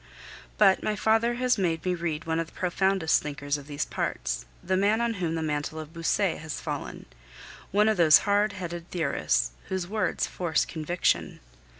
But my father has made me read one of the profoundest thinkers of these parts, the man on whom the mantle of Boussuet has fallen, one of those hard headed theorists whose words force conviction.